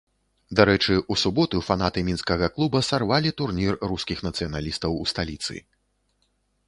Дарэчы, у суботу фанаты мінскага клуба сарвалі турнір рускіх нацыяналістаў у сталіцы.